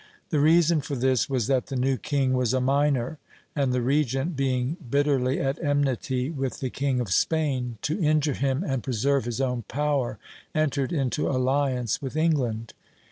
The reason for this was that the new king was a minor; and the regent, being bitterly at enmity with the king of Spain, to injure him and preserve his own power, entered into alliance with England.